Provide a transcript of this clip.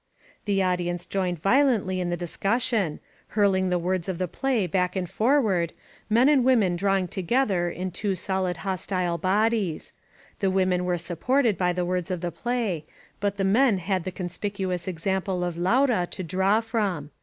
The audience joined violently in the discussion, hurling the words of the play back and forward — ^men and women drawing together in two solid hostile bod ies. The women were supported by the words of the play, but the men had the conspicuous example of Laura to draw from.